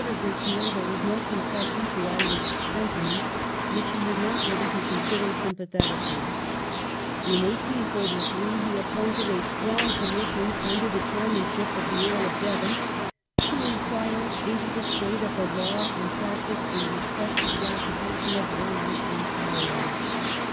^ of repeal there was no concession to Irish sentiment which he was not ready to consider sympathetically. In 1843 he appointed a strong Commission under the chairmanship of the Earl of Devon " to enquire into the state of the law and practice in respect to the occupation of land in Ireland